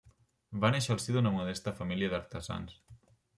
Va néixer al si d'una modesta família d'artesans.